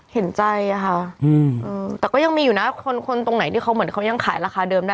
เห็นใจอะค่ะแต่ก็ยังมีอยู่นะคนตรงไหนที่เขาเหมือนเขายังขายราคาเดิมได้